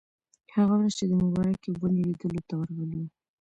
هغه ورځ چې د مبارکې ونې لیدلو ته ورغلي وو.